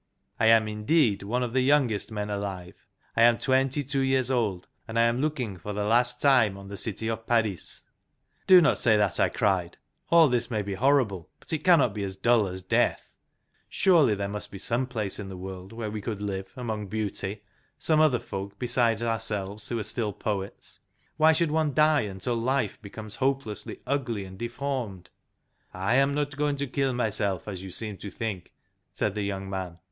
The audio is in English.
" I am indeed one of the youngest men alive I am twenty two years old. And I am looking for the last time on the city of Paris." " Do not say that," I cried. " All this may be hor rible, but it cannot be as dull as Death. Surely there THE FLORENTINE LEAGUE 21 must be some place in the world where we could live among beauty; some other folk besides ourselves who are still poets. Why should one die until life becomes hopelessly ugly and deformed?" " I am not going to kill myself, as you seem to think," said the young man.